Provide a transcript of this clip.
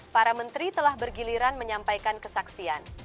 para menteri telah bergiliran menyampaikan kesaksian